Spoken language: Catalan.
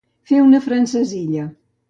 Fer una francesilla.